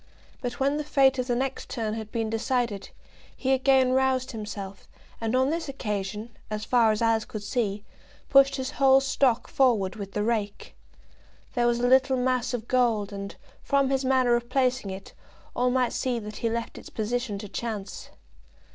But when the fate of the next turn had been decided, he again roused himself, and on this occasion, as far as Alice could see, pushed his whole stock forward with the rake. There was a little mass of gold, and, from his manner of placing it, all might see that he left its position to chance.